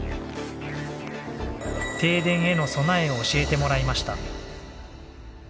停電への備えを教えてもらいました。